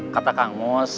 kata kang mus